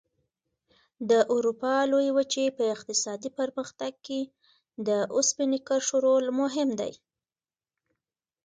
د اروپا لویې وچې په اقتصادي پرمختګ کې د اوسپنې کرښو رول مهم دی.